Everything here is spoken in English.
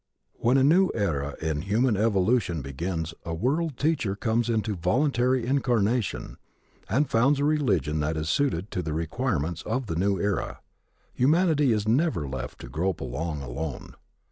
When a new era in human evolution begins a World Teacher comes into voluntary incarnation and founds a religion that is suited to the requirements of the new era. Humanity is never left to grope along alone.